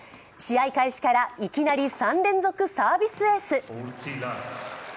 試合開始からいきなり３連続サービスエース。